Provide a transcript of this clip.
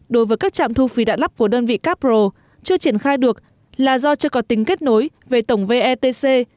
đối với các trạm thu phí đã lắp của đơn vị capro chưa triển khai được là do chưa có tính kết nối về tổng vetc